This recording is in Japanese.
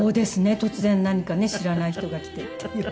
突然何かね知らない人が来てっていうね。